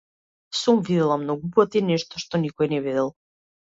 Сум видела многу пати нешто што никој не видел.